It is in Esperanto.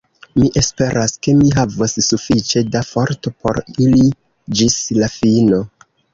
Mi esperas, ke mi havos sufiĉe da forto por iri ĝis la fino.